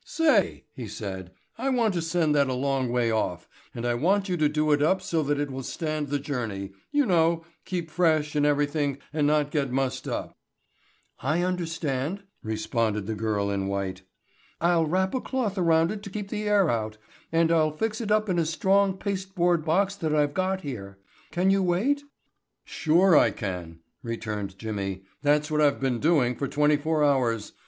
"Say," he said, "I want to send that a long way off and I want you to do it up so that it will stand the journey—you know, keep fresh and everything and not get mussed up." "I understand," responded the girl in white. "I'll wrap a cloth around it to keep the air out, and I'll fix it up in a strong pasteboard box that I've got here. Can you wait?" "Sure I can," returned Jimmy. "That's what I've been doing for twenty four hours.